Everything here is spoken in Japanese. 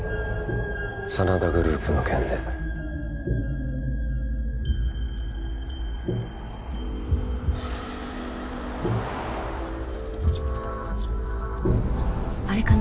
真田グループの件であっあれかな？